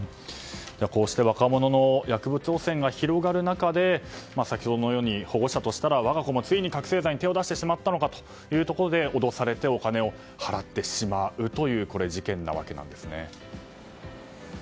こうして若者の薬物汚染が広がる中で先ほどのように保護者としたら我が子もついに覚醒剤に手を出してしまったのかというところで脅されてお金を払ってしまうという事件なわけですね。